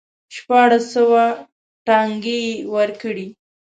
شپاړس سوه ټنګې یې ورکړې.